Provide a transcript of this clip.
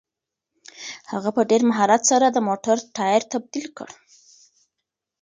هغه په ډېر مهارت سره د موټر ټایر تبدیل کړ.